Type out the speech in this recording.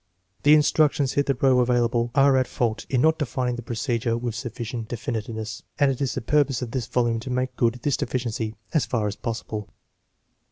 The instructions hitherto available are at fault in not defining the procedure with sufficient definiteness, and it is the purpose of this volume to make good this deficiency as far as possible.